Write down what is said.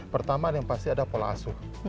pertama yang pasti ada pola asuh